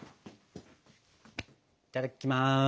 いただきます。